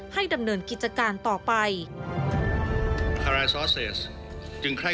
ดำเนินกิจการต่อไป